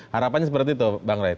harapannya seperti itu bang ray